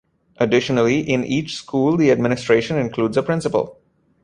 Additionally, in each school the administration includes a Principal.